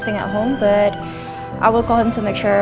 tapi saya akan memanggil dia untuk memastikan